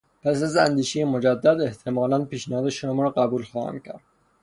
پس از اندیشهی مجدد احتمالا پیشنهاد شما را قبول خواهم کرد.